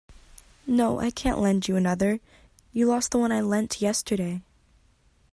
No, I can't lend you another. You lost the one I lent yesterday!